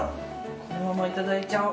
このままいただいちゃおう。